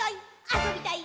あそびたい！